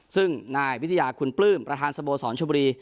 ซึ่งนายวิทยาคุณปลื้มประธานสโมสรชบุรี